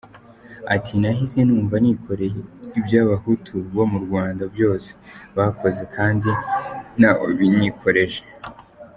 Ati “Nahise numva nikoreye iby’Abahutu bo mu Rwanda byose bakoze kandi ntawabinyikoreje”.